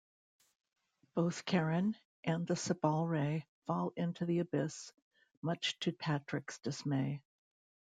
Both Caren and the Cebalrai fall into the abyss - much to Patrick's dismay.